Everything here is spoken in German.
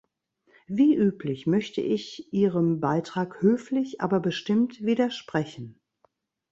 Wie üblich, möchte ich ihrem Beitrag höflich, aber bestimmt widersprechen.